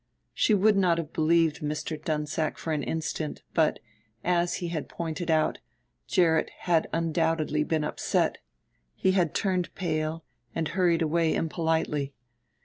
She would not have believed Mr. Dunsack for an instant, but, as he had pointed out, Gerrit had undoubtedly been upset; he had turned pale and hurried away impolitely.